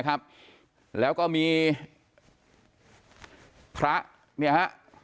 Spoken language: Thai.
ครับแล้วก็มีพระเนี่ยฮะ